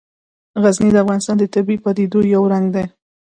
غزني د افغانستان د طبیعي پدیدو یو رنګ دی.